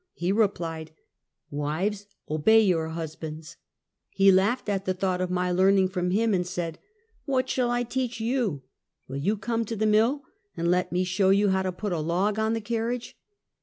He replied, " "Wives, obey your husbands," He laughed at the thought of my learning from him and said: "What shall I teach you? Will you come to the mill and let me show you how to put a log on the carriage?"